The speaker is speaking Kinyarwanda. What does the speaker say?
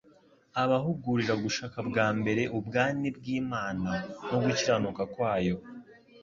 Abahugurira gushaka bwa mbere ubwani bw'Imana no gukiranuka kwayo,